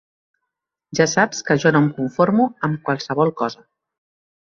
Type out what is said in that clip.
Ja saps que jo no em conformo amb qualsevol cosa.